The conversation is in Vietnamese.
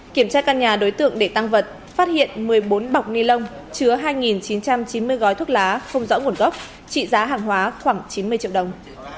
kiểm tra căn nhà đối tượng để tăng vật phát hiện một mươi bốn bọc ni lông chứa hai chín trăm chín mươi gói thuốc lá không rõ nguồn gốc trị giá hàng hóa khoảng chín mươi triệu đồng